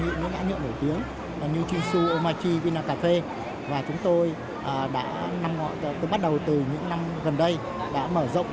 hiệu nổi tiếng như jinsu omachi vina cà phê chúng tôi bắt đầu từ những năm gần đây đã mở rộng